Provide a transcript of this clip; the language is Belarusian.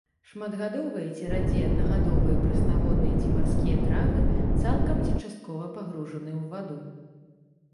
Шматгадовыя ці радзей аднагадовыя прэснаводныя ці марскія травы, цалкам ці часткова пагружаныя ў ваду.